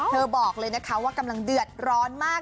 บอกเลยนะคะว่ากำลังเดือดร้อนมาก